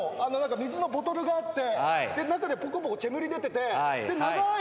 水のボトルがあって中でポコポコ煙出てて長ーい